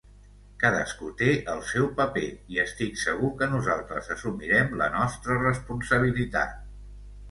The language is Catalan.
Cadascú té el seu paper i estic segur que nosaltres assumirem la nostra responsabilitat.